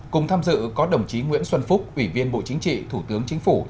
cùng tham dự có đồng chí nguyễn xuân phúc ủy viên bộ chính trị thủ tướng chính phủ